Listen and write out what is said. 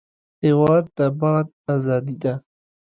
هېواد د باد ازادي ده.